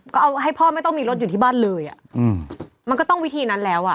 ก็เอาให้พ่อไม่ต้องมีรถอยู่ที่บ้านเลยอ่ะอืมมันก็ต้องวิธีนั้นแล้วอ่ะ